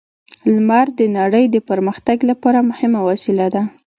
لمر د نړۍ د پرمختګ لپاره مهمه وسیله ده.